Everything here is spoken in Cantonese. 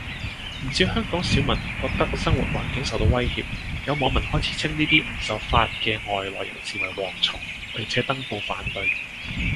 唔少香港少民覺得生活環境受到威脅，有網民開始稱呢啲唔受法嘅外來人士為蝗蟲，並且登報反對